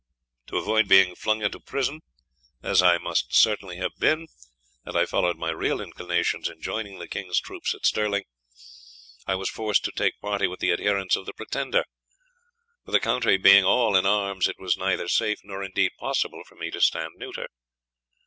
To avoid being flung into prison, as I must certainly have been, had I followed my real inclinations in joining the King's troops at Stirling, I was forced to take party with the adherents of the Pretender; for the country being all in arms, it was neither safe nor indeed possible for me to stand neuter.